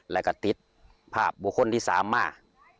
แล้วก็ติดภาพบุคคลที่๓มา